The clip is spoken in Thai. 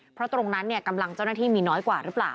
เพราะตรงนั้นกำลังเจ้าหน้าที่มีน้อยกว่าหรือเปล่า